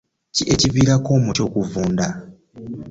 Ki ekivirako omuti okuvunda?